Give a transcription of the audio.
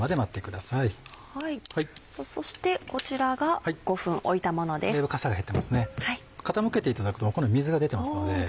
だいぶかさが減ってますね傾けていただくとこのように水が出てますので。